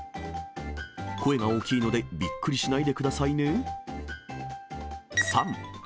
声が大きいので、びっくりしないでくださいね。